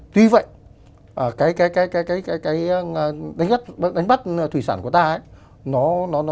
tuy vậy cái đánh bắt thủy sản của ta ấy